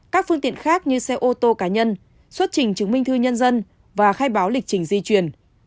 các phương tiện khác như xe ô tô cá nhân xuất trình chứng minh thư nhân dân và khai báo lịch trình di chuyển